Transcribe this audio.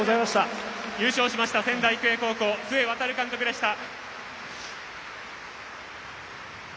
優勝しました仙台育英高校須江航監督でした。